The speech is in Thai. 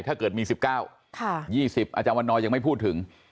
ถ้าเกิดมี๑๙๒๐อาจารย์วันนอยยังไม่พูดถึง